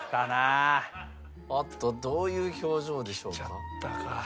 おっとどういう表情でしょうか？